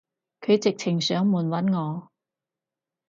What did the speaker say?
佢直情上門搵我